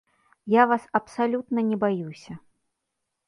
Я вас абсалютна не баюся.